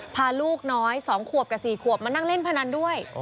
พาลูกน้อย๒ขวบกับ๔ขวบมานั่งเล่นพนันด้วย